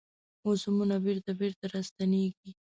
موسمونه بیرته، بیرته راستنیږي